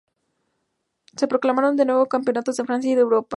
Se proclamaron de nuevo campeones de Francia y de Europa.